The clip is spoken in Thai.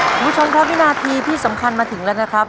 คุณผู้ชมครับวินาทีที่สำคัญมาถึงแล้วนะครับ